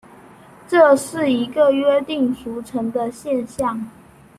这是一个约定俗成的现像。